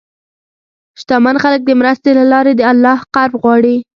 شتمن خلک د مرستې له لارې د الله قرب غواړي.